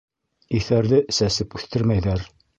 Иҫәрҙе сәсеп үҫтермәйҙәр.